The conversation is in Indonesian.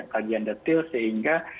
kajian detail sehingga